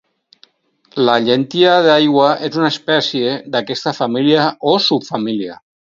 La llentia d'aigua és una espècie d'aquesta família, o subfamília.